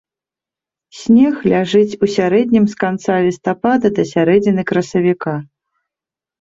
Снег ляжыць у сярэднім з канца лістапада да сярэдзіны красавіка.